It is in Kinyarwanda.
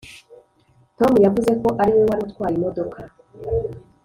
tom yavuze ko ari we wari utwaye imodoka.